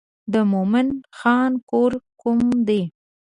د مومن خان کور کوم دی.